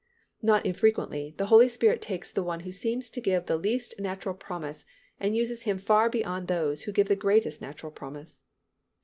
Not infrequently, the Holy Spirit takes the one who seems to give the least natural promise and uses him far beyond those who give the greatest natural promise.